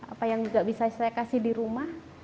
apa yang juga bisa saya kasih di rumah